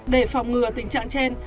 để phòng ngừa tình trạng trên